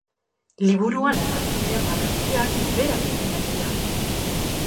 Liburuan azaltzen diren marrazkiak berak eginak dira.